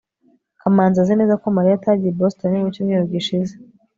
kamanzi azi neza ko mariya atagiye i boston mu cyumweru gishize